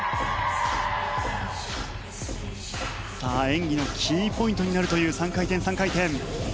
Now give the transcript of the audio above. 演技のキーポイントになるという３回転、３回転。